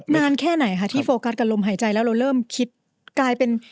นานแค่ไหนคะที่โฟกัสกับลมหายใจแล้วเราเริ่มคิดกลายเป็น